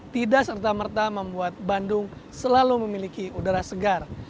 tidak serta merta membuat bandung selalu memiliki udara segar